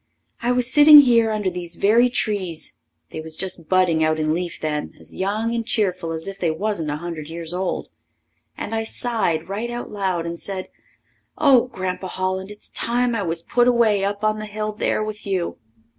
I was sitting here under these very trees they was just budding out in leaf then, as young and cheerful as if they wasn't a hundred years old. And I sighed right out loud and said, "Oh, Grandpa Holland, it's time I was put away up on the hill there with you."